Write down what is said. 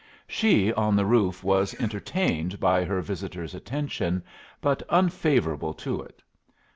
She on the roof was entertained by her visitor's attention, but unfavorable to it.